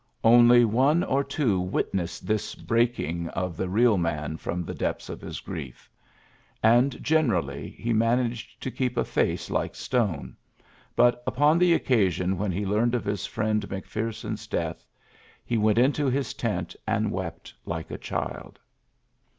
Only one two witnessed this breaking of the I J VOIi i^ajrv 60 ULYSSES S. GEANT real man from the depths of his griefl And generally he managed to keep a face like stone ; bnt, upon the occasion when he learned of his friend McPher son's death, he went into his tent, and wept like a child.